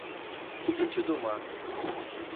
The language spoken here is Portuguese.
Sítio do Mato